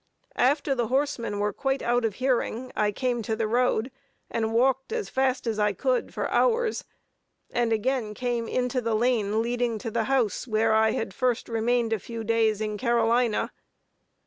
After the horsemen were quite out of hearing, I came to the road, and walked as fast as I could for hours, and again came into the lane leading to the house, where I had first remained a few days, in Carolina.